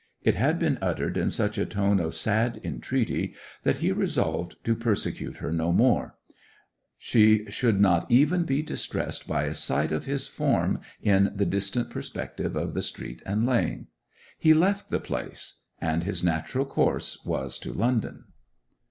It had been uttered in such a tone of sad entreaty that he resolved to persecute her no more; she should not even be distressed by a sight of his form in the distant perspective of the street and lane. He left the place, and his natural course was to London.